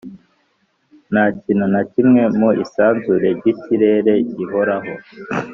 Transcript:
“nta kintu na kimwe mu isanzure ry’ikirere gihoraho